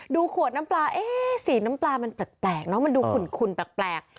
ดูขวดน้ำปลาสีน้ำปลามันแปลกมันดูขุนแปลก